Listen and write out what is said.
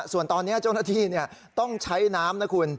ส่วนตอนนี้เจ้าหน้าที่ต้องใช้น้ำนะคุณ